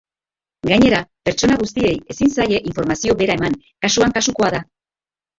Gainera, pertsona guztiei ezin zaie informazio bera eman, kasuan kasukoa da.